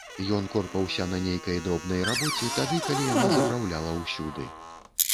Ён корпаўся на нейкай дробнай рабоце, тады калі яна запраўляла ўсюды.